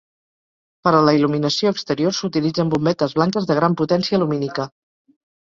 Per a la il·luminació exterior s'utilitzen bombetes blanques de gran potència lumínica.